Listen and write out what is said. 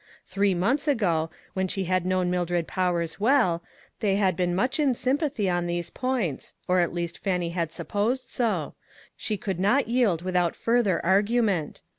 Three months ago when she had known Mildred Powers well, they had been much in sym pathy on these points, or at least Fannie had supposed so. She could not yield without further argument.